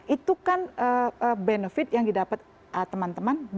itu kan benefit yang didapat teman teman